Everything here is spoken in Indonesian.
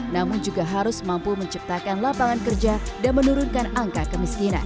namun juga harus mampu menciptakan lapangan kerja dan menurunkan angka kemiskinan